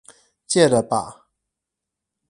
戒了吧